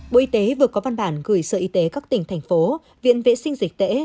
bộ y tế vừa có văn bản gửi sở y tế các tỉnh thành phố viện vệ sinh dịch tễ